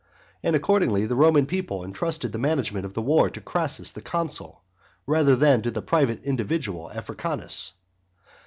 And accordingly the Roman people entrusted the management of the war to Crassus the consul rather than to the private individual Africanus.